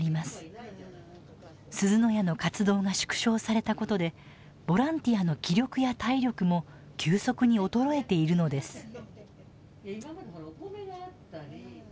すずの家の活動が縮小されたことでボランティアの気力や体力も急速に衰えているのです。